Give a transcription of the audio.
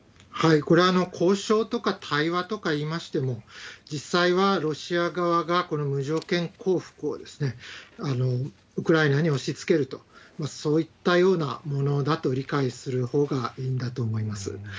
これは交渉とか対話とかいいましても、実際はロシア側が、この無条件降伏をウクライナに押しつけると、そういったようなものだと理解するほうがいいんだと思います。